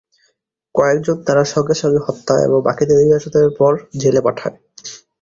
কয়েকজনকে তারা সঙ্গে সঙ্গে হত্যা এবং বাকিদের নির্যাতনের পর জেলে পাঠায়।